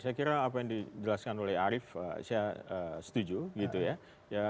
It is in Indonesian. saya kira apa yang dijelaskan oleh arief saya setuju gitu ya